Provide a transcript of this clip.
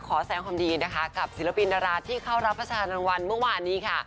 แสงความดีนะคะกับศิลปินดาราที่เข้ารับประชารางวัลเมื่อวานนี้ค่ะ